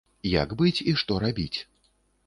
Як быць і што рабіць?